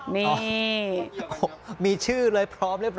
นี่โอ้โหมีชื่อเลยพร้อมเลยพร้อม